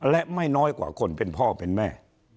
และไม่น้อยกว่าคนเป็นพ่อเป็นแม่